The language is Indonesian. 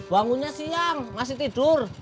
bangunnya siang masih tidur